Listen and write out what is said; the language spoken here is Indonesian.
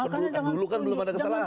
dulu kan belum ada kesalahan